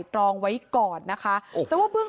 ต้องรอผลพิสูจน์จากแพทย์ก่อนนะคะ